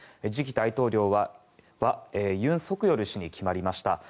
次期大統領はユン・ソクヨル氏に決まりました。